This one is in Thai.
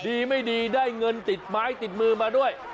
ดีไม่ดีได้เงินติดไม้ติดมือมาด้วย